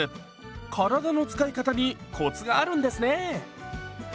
体の使い方にコツがあるんですね！